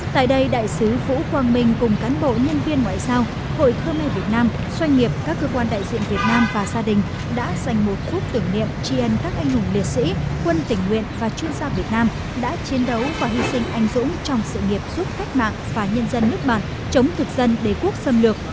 tại đây đại sứ vũ quang minh cùng cán bộ nhân viên ngoại giao hội khơ me việt nam doanh nghiệp các cơ quan đại diện việt nam và gia đình đã dành một phút tưởng niệm tri ân các anh hùng liệt sĩ quân tỉnh nguyện và chuyên gia việt nam đã chiến đấu và hy sinh anh dũng trong sự nghiệp giúp cách mạng và nhân dân nước bạn chống thực dân đế quốc xâm lược